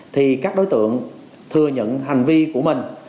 thì các đối tượng thừa nhận hành vi của mình